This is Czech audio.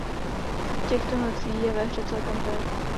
Těchto nocí je ve hře celkem pět.